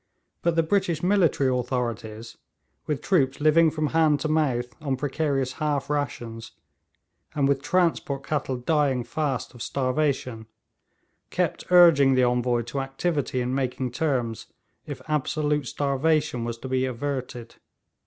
But the British military authorities, with troops living from hand to mouth on precarious half rations, and with transport cattle dying fast of starvation, kept urging the Envoy to activity in making terms, if absolute starvation was to be averted.